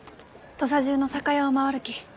土佐中の酒屋を回るき。